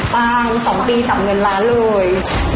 ตั้ง๒ปีจำเงินล้านล้วย